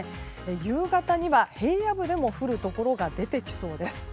夕方には、平野部でも降るところが出てきそうです。